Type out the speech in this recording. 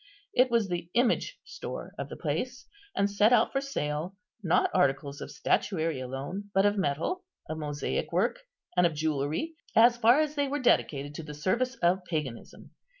It was the image store of the place, and set out for sale, not articles of statuary alone, but of metal, of mosaic work, and of jewellery, as far as they were dedicated to the service of paganism.